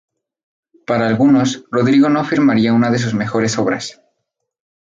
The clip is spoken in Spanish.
Para algunos, Rodrigo no firmaría una de sus mejores obras.